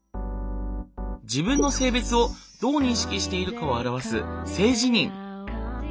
自分の性別をどう認識しているかを表す性自認。